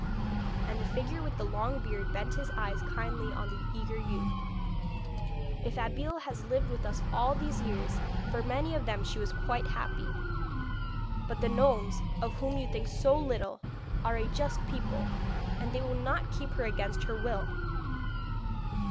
And the figure with the long beard bent his eyes kindly on the eager youth. 'If Abeille has lived with us all these years, for many of them she was quite happy. But the gnomes, of whom you think so little, are a just people, and they will not keep her against her will.